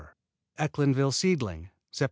Ecklinville Seedling Sept.